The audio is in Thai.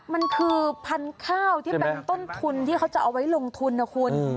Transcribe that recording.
มันคือพันธุ์ข้าวที่เป็นต้นทุนที่เขาจะเอาไว้ลงทุนนะคุณ